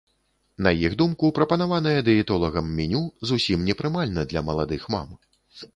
На іх думку, прапанаванае дыетолагам меню зусім не прымальна для маладых мам.